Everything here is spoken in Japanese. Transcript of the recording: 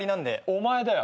お前だよ。